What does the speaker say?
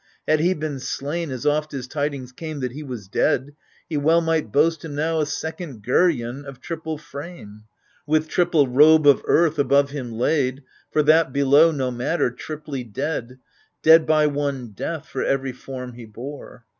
Had he been slain, as oft as tidings came That he was dead, he well might boast him now A second Geryon of triple frame. With triple robe of earth above him laid — For that below, no matter — triply dead, Dead by one death for every form he bore.